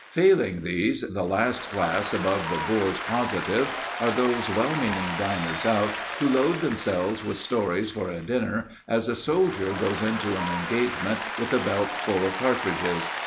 Failing these, the last class above the bores positive are those well meaning diners out who load themselves with stories for a dinner as a soldier goes into an engagement with a belt full of cartridges.